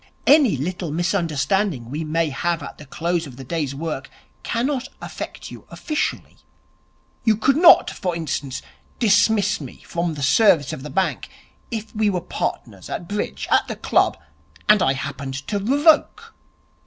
Any little misunderstanding we may have at the close of the day's work cannot affect you officially. You could not, for instance, dismiss me from the service of the bank if we were partners at bridge at the club and I happened to revoke.'